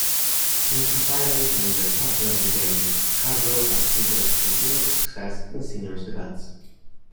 Since retiring from the top-level game, Cardwell has enjoyed continued success in seniors events.